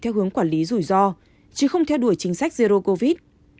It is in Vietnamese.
theo hướng quản lý rủi ro chứ không theo đuổi chính sách zero covid